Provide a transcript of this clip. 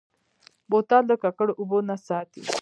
بوتل د ککړو اوبو نه ساتي.